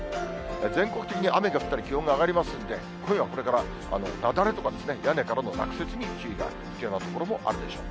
全国的に雨が降ったり、気温が上がりますので、今夜はこれから、雪崩とか屋根からの落雪に注意が必要な所もあるでしょう。